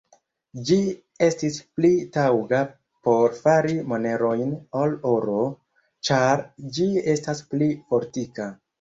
Ĝi estis pli taŭga por fari monerojn ol oro, ĉar ĝi estas pli fortika.